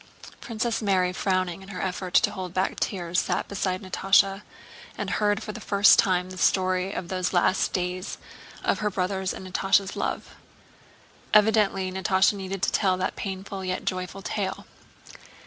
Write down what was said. Princess Mary, frowning in her effort to hold back her tears, sat beside Natásha, and heard for the first time the story of those last days of her brother's and Natásha's love. Evidently Natásha needed to tell that painful yet joyful tale.